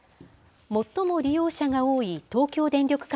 最も利用者が多い東京電力